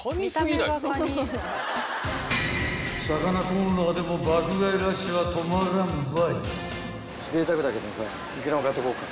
［魚コーナーでも爆買いラッシュは止まらんばい］